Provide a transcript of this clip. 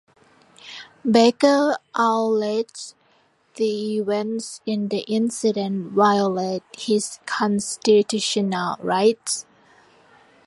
Baker alleges the events in the incident violated his constitutional rights.